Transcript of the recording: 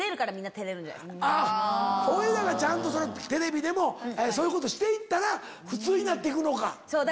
俺らがちゃんとテレビでもそういうことして行ったら普通になって行くのか。